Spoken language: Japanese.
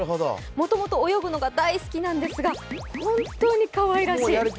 もともと泳ぐのが大好きなんですが本当にかわいらしい。